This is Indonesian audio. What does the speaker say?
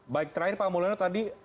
baik terakhir pak mulyono tadi